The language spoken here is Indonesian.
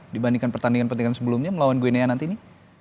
dibandingkan pertandingan pertandingan sebelumnya melawan guinea nanti ini